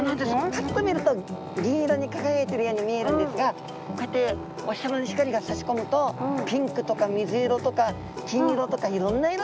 パッと見ると銀色に輝いているように見えるんですがこうやってお日さまの光がさし込むとピンクとか水色とか金色とかいろんな色に。